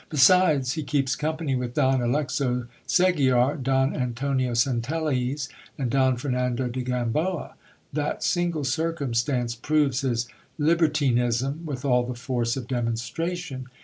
Besides, he keeps company with Don Alexo Segiar, Don Antonio Centelles, and Don Fernando de Gamboa ; that single circumstance proves his libertinism with all the force of demonstration.